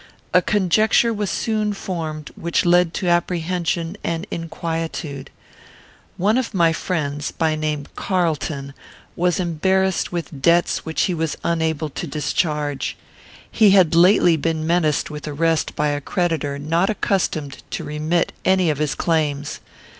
A conjecture was soon formed, which led to apprehension and inquietude. One of my friends, by name Carlton, was embarrassed with debts which he was unable to discharge. He had lately been menaced with arrest by a creditor not accustomed to remit any of his claims.